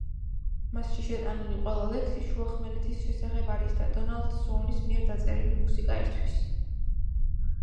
მასში შეტანილი ყველა ლექსი შუახმელეთის შესახებ არის და დონალდ სუონის მიერ დაწერილი მუსიკა ერთვის.